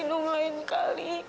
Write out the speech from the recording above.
nung lain kali